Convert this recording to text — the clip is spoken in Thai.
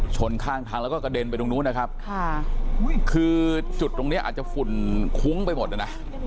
ชนข้างทางแล้วก็กระเด็นไปตรงนู้นนะครับค่ะคือจุดตรงเนี้ยอาจจะฝุ่นคุ้งไปหมดนะนะ